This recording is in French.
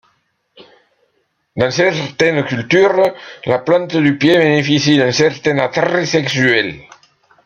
Dans certaines cultures, la plante du pied bénéficie d'un certain attrait sexuel.